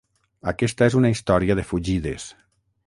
Aquesta és una història de fugides.